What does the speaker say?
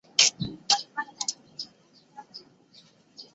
路易斯被葬在前朝西班牙哈布斯堡王朝所建的埃斯科里亚尔修道院。